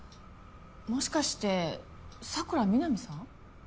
もしかして佐倉美南さん？